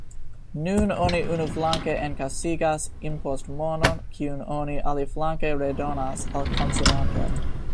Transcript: Nun oni unuflanke enkasigas impostmonon, kiun oni aliflanke redonas al konsumantoj.